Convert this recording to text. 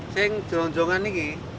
seng jauh jauhan ini